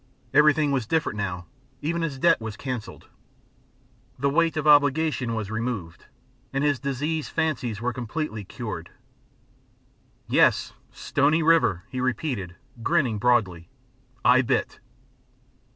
Everything was different now, even his debt was canceled, the weight of obligation was removed, and his diseased fancies were completely cured. "Yes! Stony River," he repeated, grinning broadly. "I bit!"